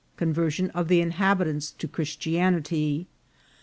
— Conversion of the Inhabitants to Christianity.